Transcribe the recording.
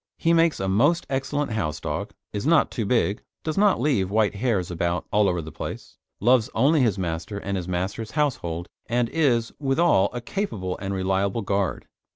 He makes a most excellent house dog, is not too big, does not leave white hairs about all over the place, loves only his master and his master's household, and is, withal, a capable and reliable guard.